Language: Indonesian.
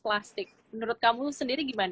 plastik menurut kamu sendiri gimana